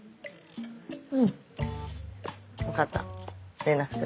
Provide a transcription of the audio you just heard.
うん分かった連絡する。